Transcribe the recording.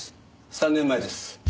３年前です。